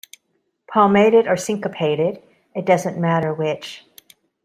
Palmated or syncopated, it doesn't matter which.